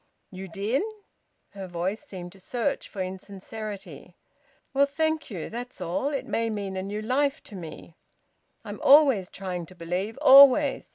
"You did?" Her voice seemed to search for insincerity. "Well, thank you. That's all. It may mean a new life to me. I'm always trying to believe; always!